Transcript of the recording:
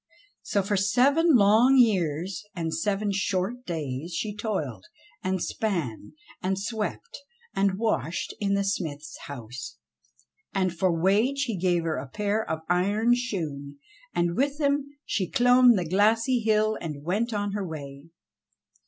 So for seven long years and seven short days she toiled, and span, and swept, and washed in the smith's house. And for wage he gave her a pair of iron shoon, and with them she clomb the glassy hill and went on her way.